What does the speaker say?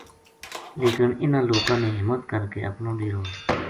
لیکن اِنہاں لوکاں نے ہمت کر کہ اپنو ڈیرو